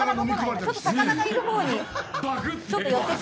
ちょっと魚がいるほうに寄って。